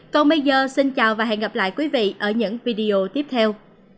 còn bây giờ xin chào và hẹn gặp lại quý vị ở những video tiếp theo